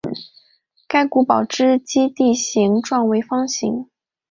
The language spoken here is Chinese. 该古堡之基地形状为方形。